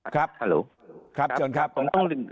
ครับครับสวัสดีครับ